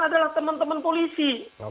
adalah teman teman polisi